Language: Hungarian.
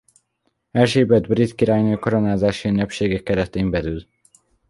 Erzsébet brit királynő koronázási ünnepsége keretén belül.